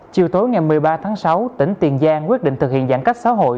chiều tối ngày một mươi ba tháng sáu tỉnh tiền giang quyết định thực hiện giãn cách xã hội